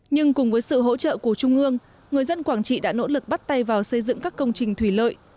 nhưng cùng với sự hỗ trợ của trung ương người dân quảng trị đã nỗ lực bắt tay vào xây dựng các công trình thủy lợi